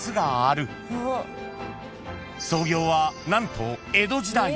［創業は何と江戸時代］